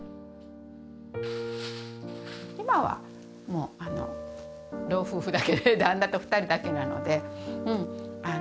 今はもう老夫婦だけ旦那と２人だけなのでうんあの